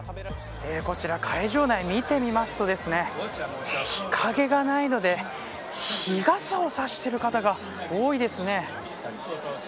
こちら、会場内を見てみますと日陰がないので日傘を差している方が多いですね。